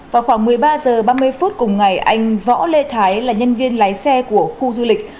vào khoảng một mươi ba h ba mươi phút cùng ngày anh võ lê thái là nhân viên lái xe của khu du lịch